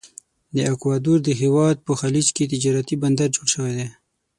د اکوادور د هیواد په خلیج کې تجارتي بندر جوړ شوی دی.